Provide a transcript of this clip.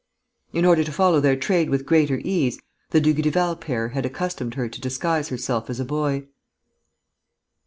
In order to follow their trade with greater ease, the Dugrival pair had accustomed her to disguise herself as a boy.